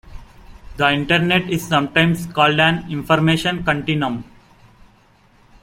The Internet is sometimes called an 'Information continuum'.